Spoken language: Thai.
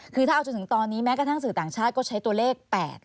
คือถ้าเอาจนถึงตอนนี้แม้กระทั่งสื่อต่างชาติก็ใช้ตัวเลข๘